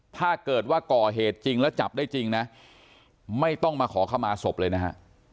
ถ้าเกิดว่าก่อเหตุจริงแล้วจับได้จริงนะไม่ต้องมาขอขมาศพเลยนะฮะ